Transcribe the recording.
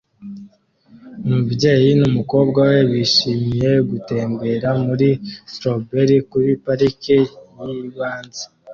umubyeyi numukobwa we bishimira gutembera muri strawberry kuri parike yibanze